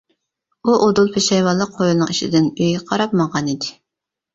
ئۇ ئۇدۇل پېشايۋانلىق ھويلىنىڭ ئىچىدىن ئۆيگە قاراپ ماڭغان ئىدى.